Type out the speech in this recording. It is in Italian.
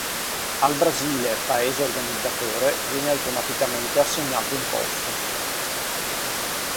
Al Brasile, Paese organizzatore, viene automaticamente assegnato un posto.